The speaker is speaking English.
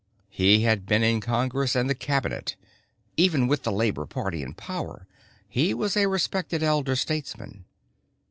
He had been in Congress and the Cabinet. Even with the Labor Party in power he was a respected elder statesman.